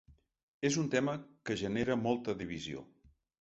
És un tema que genera molta divisió.